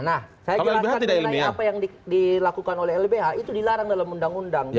nah saya jelaskan mengenai apa yang dilakukan oleh lbh itu dilarang dalam undang undang